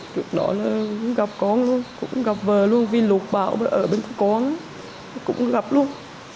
trước đó là gặp con luôn cũng gặp vợ luôn vì lục bão ở bên phía con cũng gặp luôn